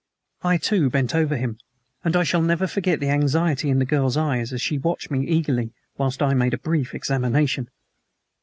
I, too, bent over him; and I shall never forget the anxiety in the girl's eyes as she watched me eagerly whilst I made a brief examination.